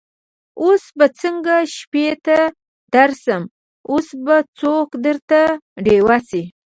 اوس به څنګه شپې ته درسم اوس به څوک درته ډېوه سي